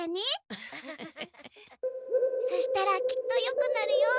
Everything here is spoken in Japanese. そしたらきっとよくなるよ。